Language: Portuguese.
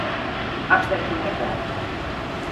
Acesso negado.